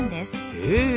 へえ！